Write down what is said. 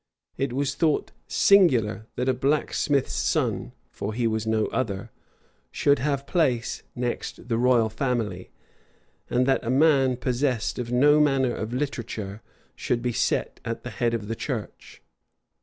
It was thought singular, that a blacksmith's son, for he was no other, should have place next the royal family; and that a man possessed of no manner of literature should be set at the head of the church.